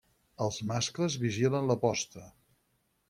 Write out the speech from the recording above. Els mascles vigilen la posta.